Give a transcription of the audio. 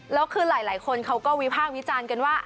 แล้วคือหลายคนเขาก็วิพากษ์วิจารณ์กันว่า